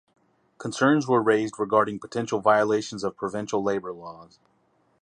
Concerns were raised regarding potential violations of provincial labour laws.